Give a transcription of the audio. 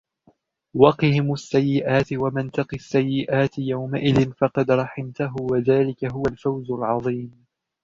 وَقِهِمُ السَّيِّئَاتِ وَمَنْ تَقِ السَّيِّئَاتِ يَوْمَئِذٍ فَقَدْ رَحِمْتَهُ وَذَلِكَ هُوَ الْفَوْزُ الْعَظِيمُ